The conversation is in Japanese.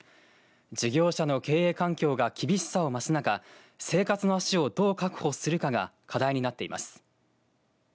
事業者の経営環境が厳しさを増す中生活の足をどう確保するかが課題になっています。